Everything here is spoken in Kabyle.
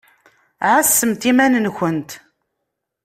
Ɛasemt iman-nkent!